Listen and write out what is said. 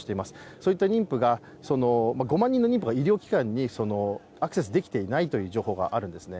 そういった５万人の妊婦が医療機関にアクセスできていないという情報があるんですね。